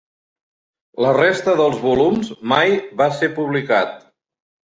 La resta dels volums mai va ser publicat.